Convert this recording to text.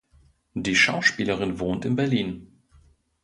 Die Schauspielerin wohnt in Berlin.